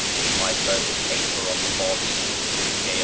In my first paper on the Bábís in the J.